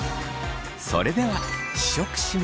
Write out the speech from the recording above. それでは試食します。